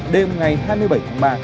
đêm ngày hai mươi bảy tháng ba